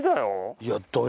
いや。